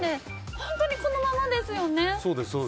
本当にこのままですよね。